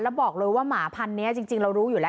แล้วบอกเลยว่าหมาพันธุ์นี้จริงเรารู้อยู่แล้ว